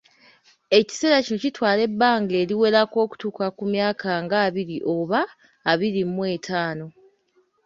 Ekiseera kino kitwala ebbanga eriwerako okutuuka ku myaka nga abiri oba abiri mu etaano.